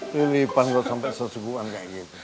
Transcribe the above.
lelipan kok sampai sesuguhan kayak gitu